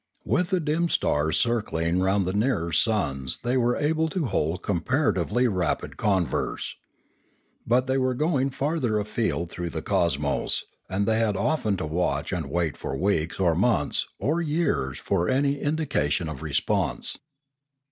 With the dim stars circling round the nearer suns they were able to hold comparatively rapid converse. But they were going farther afield through the cosmos, and they had often to watch and wait for weeks or months or years for any indication of response.